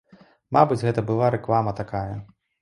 Мабыць, гэта была рэклама такая.